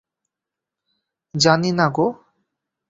জানি না গো।